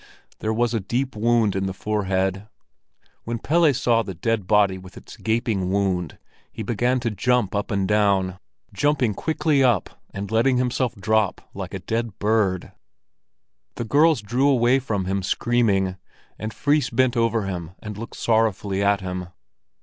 There was a deep wound in the forehead. When Pelle saw the dead body with its gaping wound, he began to jump up and down, jumping quickly up, and letting himself drop like a dead bird. The girls drew away from him, screaming, and Fris bent over him and looked sorrowfully at him.